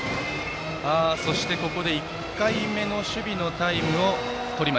そして、ここで１回目の守備のタイムです